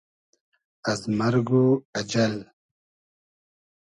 از مئرگ و اجئل